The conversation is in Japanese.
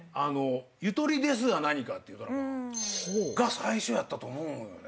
『ゆとりですがなにか』っていうドラマが最初やったと思うのよね。